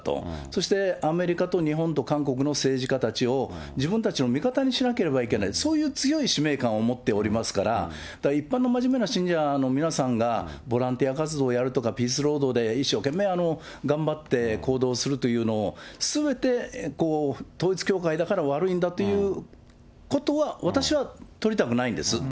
そしてアメリカと日本と韓国の政治家たちを、自分たちの味方にしなければいけない、そういう強い使命感を持っておりますから、だから一般の真面目な信者の皆さんがボランティア活動をやるとか、ピースロードで一生懸命頑張って行動するというのを、すべて統一教会だから悪いんだということは私は取りたくないんです。